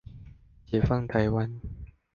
解放台灣